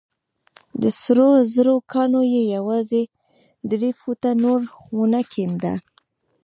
د سرو زرو کان يې يوازې درې فوټه نور ونه کينده.